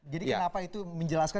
jadi kenapa itu menjelaskan